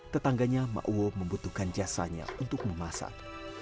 tetangganya ma'uwo membutuhkan jasanya untuk memasak